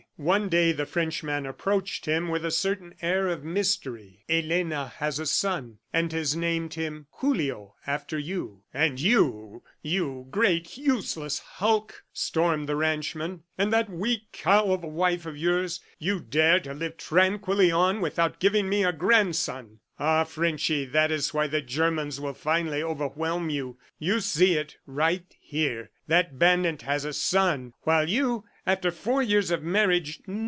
One day the Frenchman approached him with a certain air of mystery. "Elena has a son and has named him 'Julio' after you." "And you, you great useless hulk," stormed the ranchman, "and that weak cow of a wife of yours, you dare to live tranquilly on without giving me a grandson! ... Ah, Frenchy, that is why the Germans will finally overwhelm you. You see it, right here. That bandit has a son, while you, after four years of marriage